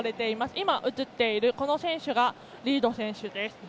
今、映っている選手がリード選手です。